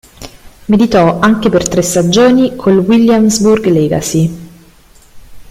Militò anche per tre stagioni col Williamsburg Legacy.